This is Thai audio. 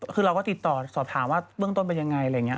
คือเราก็ติดต่อสอบถามว่าเบื้องต้นเป็นยังไง